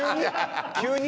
急に？